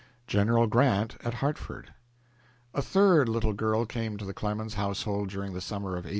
GENERAL GRANT AT HARTFORD A third little girl came to the Clemens household during the summer of 1880.